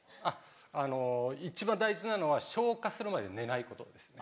あの一番大事なのは消化するまで寝ないことですね。